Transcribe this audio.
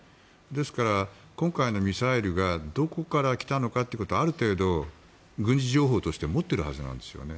ですから、今回のミサイルがどこから来たのかってことはある程度、軍事情報として持っているはずなんですよね。